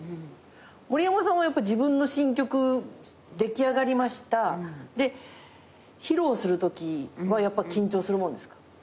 森山さんは自分の新曲出来上がりましたで披露するときはやっぱ緊張するもんですか？